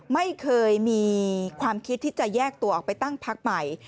ไม่เคยมีความคิดที่จะแยกตัวออกไปตั้งพักใหม่